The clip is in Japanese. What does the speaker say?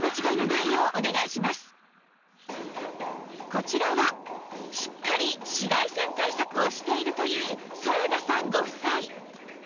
こちらはしっかり紫外線対策をしているという添田さんご夫妻